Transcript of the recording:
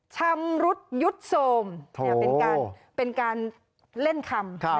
ชำรุดยุดโทรมเป็นการเล่นคำ